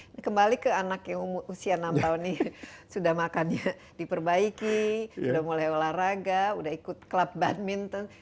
ini kembali ke anak yang usia enam tahun ini sudah makannya diperbaiki sudah mulai olahraga sudah ikut klub badminton